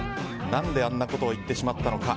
何であんなことを言ってしまったのか。